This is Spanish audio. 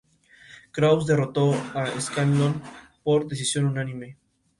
Krauss derrotó a Scanlon por decisión unánime.